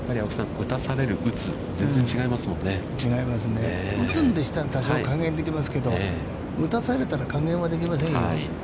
打つんでしたら、多少考えますけど、打たされたら加減はできませんよ。